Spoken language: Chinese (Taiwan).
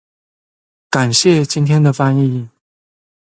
感謝今天的翻譯